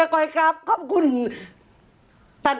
ก้อยกรับขอบคุณครับ